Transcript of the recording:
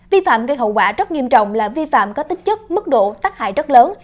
vi phạm gây hậu quả rất nghiêm trọng là vi phạm có tính chất mức độ tác hại rất lớn